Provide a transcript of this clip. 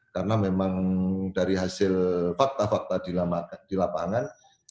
karena memang dari hasil fakta fakta di lapangan